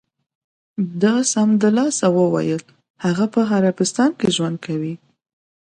ده سمدلاسه و ویل: هغه په عربستان کې ژوند کوي.